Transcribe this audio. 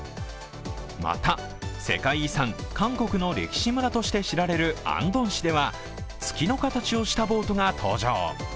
また世界遺産、韓国の歴史村として知られるアンドン市では月の形をしたボートが登場。